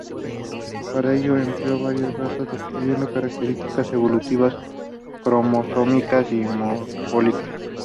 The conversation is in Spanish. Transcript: Para ello empleó varias razas, describiendo características evolutivas, cromosómicas y morfológicas.